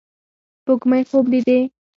سپوږمۍ خوب لیدې